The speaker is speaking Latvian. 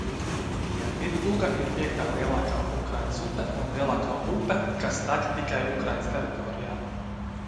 Dienvidbuga ir piektā lielākā Ukrainas upe un lielākā upe, kas tek tikai Ukrainas teritorijā.